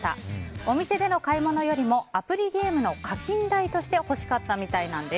お店での買い物よりもアプリゲームの課金代として欲しかったみたいなんです。